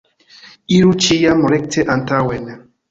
Iru ĉiam rekte antaŭen.